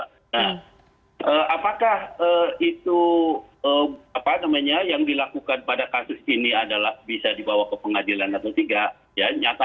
nah apakah itu apa namanya yang dilakukan pada kasus ini adalah bisa dibawa ke pengadilan atau tidak